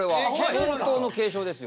本当の軽症ですよ。